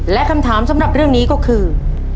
และคำถามสำหรับเรื่องนี้ก็คือ